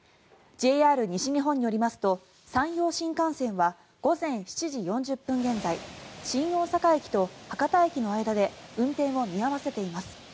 ＪＲ西日本によりますと山陽新幹線は午前７時４０分現在新大阪駅と博多駅の間で運転を見合わせています。